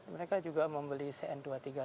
mereka juga membeli cn dua ratus tiga puluh lima